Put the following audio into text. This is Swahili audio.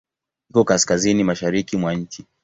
Iko Kaskazini mashariki mwa nchi.